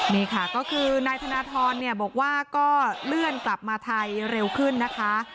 นี่ค่ะก็คือนายธนทรเนี่ยบอกว่าก็เลื่อนกลับมาไทยเร็วขึ้นนะคะ